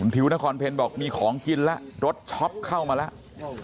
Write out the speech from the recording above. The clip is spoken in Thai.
ผิวนครเพลบอกมีของกินแล้วรถช็อปเข้ามาแล้ว